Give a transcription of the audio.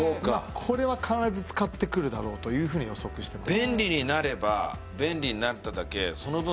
これは必ず使ってくるだろうというふうに予測してます。